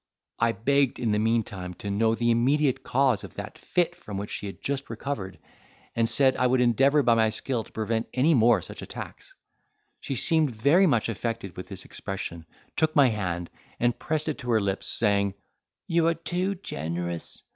I begged in the meantime to know the immediate cause of that fit from which she had just recovered, and said, I would endeavour by my skill to prevent any more such attacks. She seemed very much affected with this expression, took my hand, and pressed it to her lips, saying, "You are too generous!